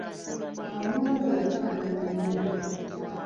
Omuntu oyo afaanana omulyake.